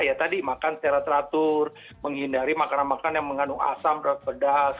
ya tadi makan secara teratur menghindari makanan makanan yang mengandung asam berat pedas